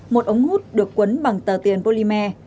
một ống hút được quấn bằng tờ tiền polymer